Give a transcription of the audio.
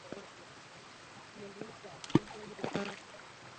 আচ্ছা, হ্যাঁ, ঠিক আছে।